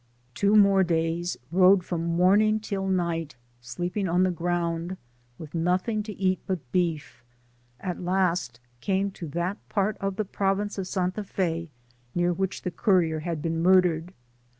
Two more days rode from morning till night, sleeping on the ground, with nothing to eat but beef — ^at last came to that part of the province of Santa Fe near which the courier had been mur dered.